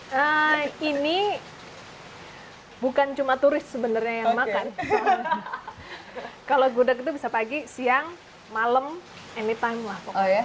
nah ini bukan cuma turis sebenarnya yang makan kalau gudeg itu bisa pagi siang malam anytime lah pokoknya